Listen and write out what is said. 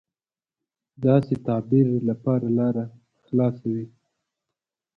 داسې تعبیر لپاره لاره خلاصه وي.